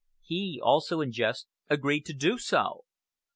He, also in jest, agreed to do so.